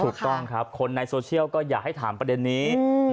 ถูกต้องครับคนในโซเชียลก็อยากให้ถามประเด็นนี้